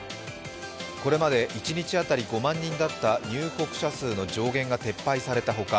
これまで一日当たり５万人だった入国者数の上限が撤廃されたほか